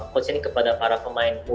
dan saya juga bisa memperbaiki kemahiran saya